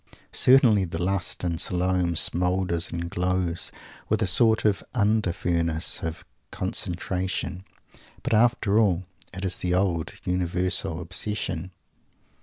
Certainly the lust in "Salome" smoulders and glows with a sort of under furnace of concentration, but, after all, it is the old, universal obsession.